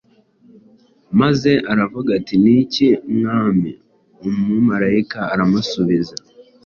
maze aravuga ati: “Ni iki Mwami?” Umumarayika aramusubiza